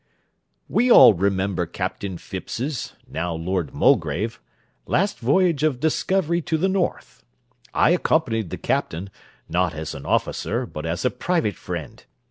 _ We all remember Captain Phipps's (now Lord Mulgrave) last voyage of discovery to the north. I accompanied the captain, not as an officer, but as a private friend.